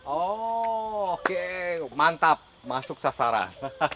oh oke mantap masuk sasaran